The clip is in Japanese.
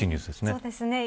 そうですね。